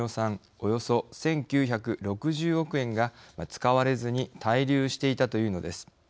およそ１９６０億円が使われずに滞留していたというのです。